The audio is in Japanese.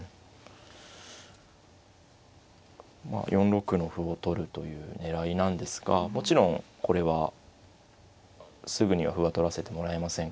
４六の歩を取るという狙いなんですがもちろんこれはすぐには歩は取らせてもらえませんから。